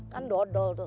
kan dodol tuh